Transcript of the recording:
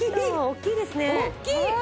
大きい！